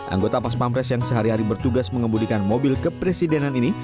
anggota pas pampres yang sehari hari bertugas mengembudikan mobil kepresidenan ini